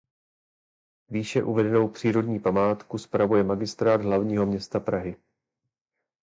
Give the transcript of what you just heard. Výše uvedenou přírodní památku spravuje Magistrát hlavního města Prahy.